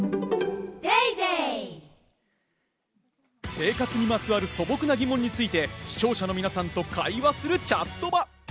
生活にまつわる素朴な疑問について、視聴者の皆さんと会話する「チャットバ」。